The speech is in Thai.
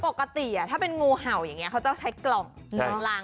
ปกติถ้าเป็นงูเห่าอย่างนี้เขาจะต้องใช้กล่องหลังใช่ไหม